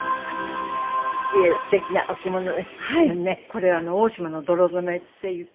これ大島の泥染めっていって。